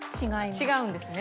違うんですね。